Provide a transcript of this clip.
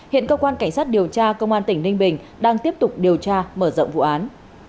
hiện cơ quan cảnh sát điều tra công an tỉnh ninh bình đang tiếp tục điều tra mở rộng vụ án